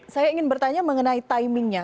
saya ingin bertanya mengenai timingnya